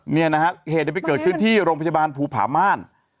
เนี่ยนะฮะเหตุไปเกิดขึ้นที่โรงพยาบาลภูผาม่าน